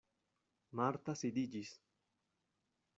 Marta sidiĝis.